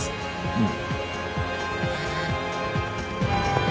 うん。